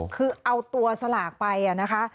คือเอาตัวสลากไปนะคะ